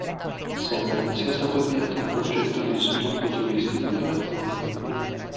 Sembra sia stato avviato un progetto di sviluppo turistico della zona.